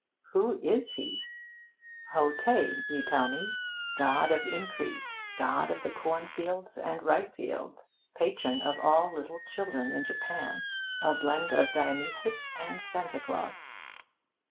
Who is he? 'Ho Tei,' you tell me; 'god of increase, god of the corn fields and rice fields, patron of all little children in Japan a blend of Dionysus and Santa Claus.'